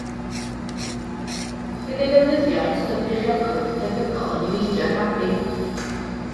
Bydd ei ddefnyddio yn ystod beichiogrwydd yn debygol o niweidio'r babi.